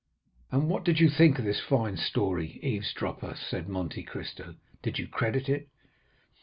"And what did you think of this fine story, eavesdropper?" said Monte Cristo; "did you credit it?"